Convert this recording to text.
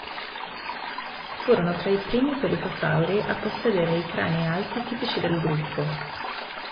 Furono tra i primi pelicosauri a possedere i crani alti tipici del gruppo.